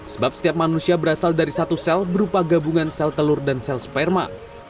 sebab setiap manusia berasal dari satu sel berupa gabungan sel telur dan sel sperma